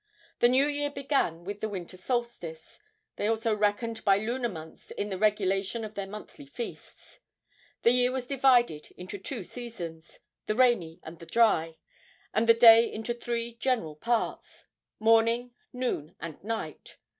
The new year began with the winter solstice. They also reckoned by lunar months in the regulation of their monthly feasts. The year was divided into two seasons the rainy and the dry and the day into three general parts, morning, noon and night.